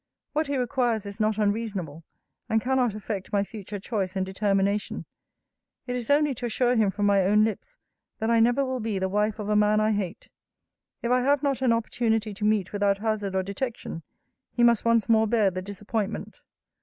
What he requires is not unreasonable, and cannot affect my future choice and determination: it is only to assure him from my own lips, that I never will be the wife of a man I hate. If I have not an opportunity to meet without hazard or detection, he must once more bear the disappointment.